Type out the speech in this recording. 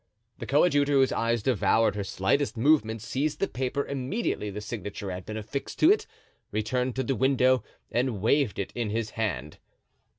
The coadjutor, whose eyes devoured her slightest movements, seized the paper immediately the signature had been affixed to it, returned to the window and waved it in his hand.